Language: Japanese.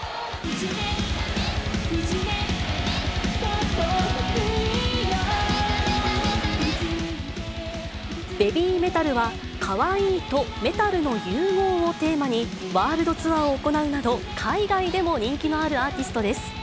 ＢＡＢＹＭＥＴＡＬは、カワイイとメタルの融合をテーマに、ワールドツアーを行うなど、海外でも人気のあるアーティストです。